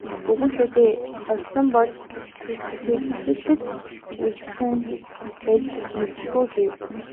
"Үгүй шүү дээ, орхисон бол Сэвжидэд л үлдээсэн байж мэдэшгүй" гэв.